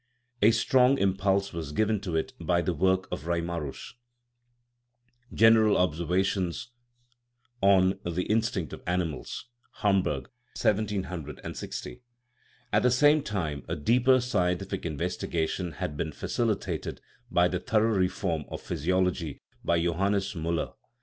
A strong impulse was given to it by the work of Reimarus :" General observations on the in stincts of animals " (Hamburg, 1760). At the same time a deeper scientific investigation had been facili tated by the thorough reform of physiology by Jo hannes Miiller.